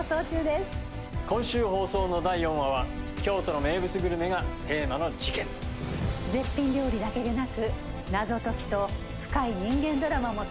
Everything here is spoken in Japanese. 「今週放送の第４話は京都の名物グルメがテーマの事件」「絶品料理だけでなく謎解きと深い人間ドラマも堪能できます」